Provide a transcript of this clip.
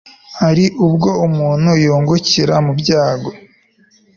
hari ubwo umuntu yungukira mu byago